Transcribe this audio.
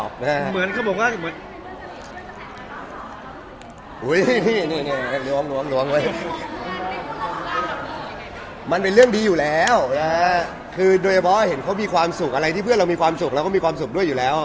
บ๊อกมือบ๊อคเห็นเค้ามีความสุขอะไรที่เพื่อนเรามีความสุขเราก็มีความสุขด้วยอยู่แล้ว